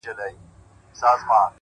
خــو ســــمـدم!